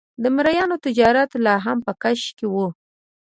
د مریانو تجارت لا هم په کش کې و.